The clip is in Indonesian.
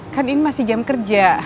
kan ini masih jam kerja